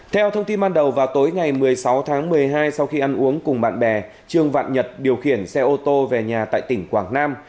theo thông tin ban đầu vào tối ngày một mươi sáu tháng một mươi hai sau khi ăn uống cùng bạn bè trương vạn nhật điều khiển xe ô tô về nhà tại tỉnh quảng nam